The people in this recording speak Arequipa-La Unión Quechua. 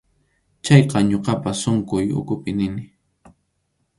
Chayqa ñuqapas sunquy ukhupi nini.